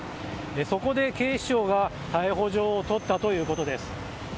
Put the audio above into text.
そこで警視庁が逮捕状を取ったということです。